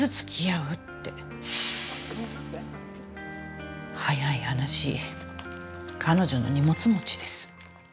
お水とって早い話彼女の荷物持ちです。